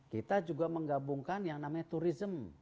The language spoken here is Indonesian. kita juga menggabungkan yang namanya turisme